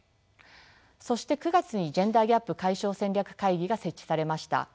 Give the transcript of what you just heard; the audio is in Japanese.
そして９月にジェンダーギャップ解消戦略会議が設置されました。